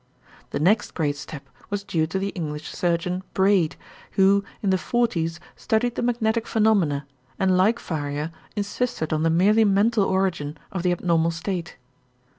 The next great step was due to the English surgeon, Braid, who in the forties studied the magnetic phenomena and like Faria insisted on the merely mental origin of the abnormal state.